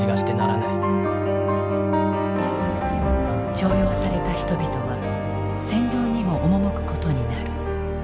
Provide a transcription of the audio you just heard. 徴用された人々は戦場にも赴くことになる。